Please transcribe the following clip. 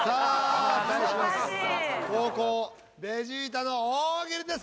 後攻ベジータの大喜利です。